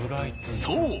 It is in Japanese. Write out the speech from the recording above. そう！